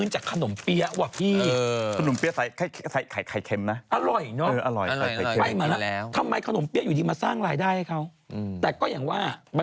ชีวิตเก็บ